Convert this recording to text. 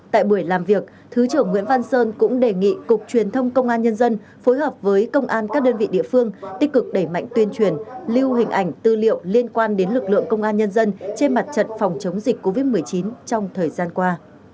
tại buổi làm việc thứ trưởng nguyễn văn sơn cũng đề nghị cục truyền thông công an nhân dân phối hợp với công an các đơn vị địa phương tích cực đẩy mạnh tuyên truyền lưu hình ảnh tư liệu liên quan đến lực lượng công an nhân dân trên mặt trận phòng chống dịch covid một mươi chín trong thời gian qua